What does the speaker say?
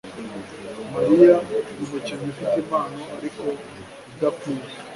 Mariya numukinnyi ufite impano ariko udakwiye